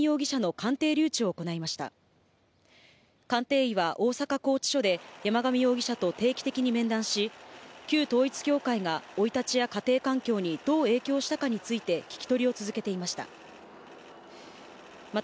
鑑定医は大阪拘置所で、山上容疑者と定期的に面談し、旧統一教会が生い立ちや家庭環境にどう影響したかについて聞き取りを続けていました。